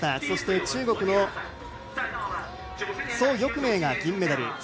そして中国の蘇翊鳴が銀メダル。